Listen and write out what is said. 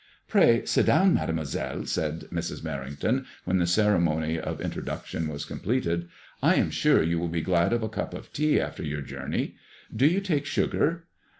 Pray sit down, Mademoiselle," said Mrs. Merringtoui when the ceremony of introduction was completed, '' I am sure you will be glad of a cup of tea after your journey. Do you take sugar